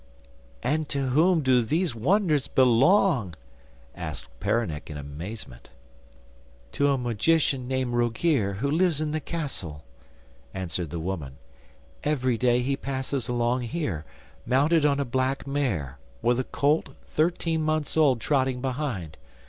'And to whom do these wonders belong?' asked Peronnik in amazement. 'To a magician named Rogear who lives in the castle,' answered the woman. 'Every day he passes along here, mounted on a black mare, with a colt thirteen months old trotting behind.